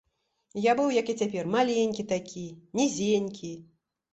Я быў, як і цяпер, маленькі такі, нізенькі.